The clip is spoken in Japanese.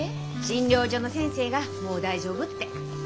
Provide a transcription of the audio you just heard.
診療所の先生がもう大丈夫って。